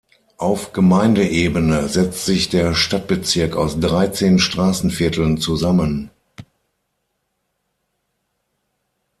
Auf Gemeindeebene setzt sich der Stadtbezirk aus dreizehn Straßenvierteln zusammen.